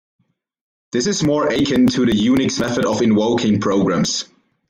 This is more akin to the Unix method of invoking programs.